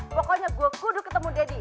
pokoknya gue kuduk ketemu daddy